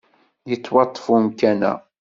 Yettwaṭṭef umkan-a?